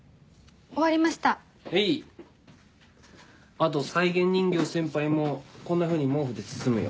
あと再現人形先輩もこんなふうに毛布で包むよ。